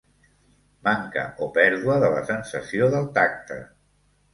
Manca o pèrdua de la sensació del tacte.